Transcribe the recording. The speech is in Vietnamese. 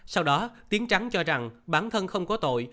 sau đó tiến trắng cho rằng bản thân không có tội